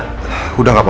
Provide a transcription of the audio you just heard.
terus sekarang gimana